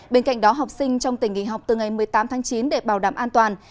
bên cạnh đó học sinh trong tỉnh nghỉ học từ ngày một mươi tám tháng chín để bảo đảm an toàn